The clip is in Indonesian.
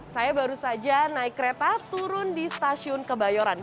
saya baru saja naik kereta turun di stasiun kebayoran